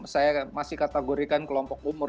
saya masih kategorikan kelompok umur